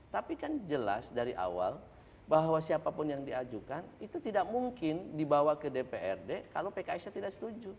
tapi kan jelas dari awal bahwa siapapun yang diajukan itu tidak mungkin dibawa ke dprd kalau pks nya tidak setuju